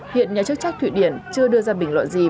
hiện nhà chức trách thụy điển chưa đưa ra bình luận gì